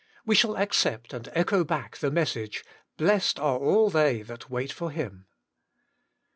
"We shall accept and echo back the message: * Blessed are all they that wait for Him.'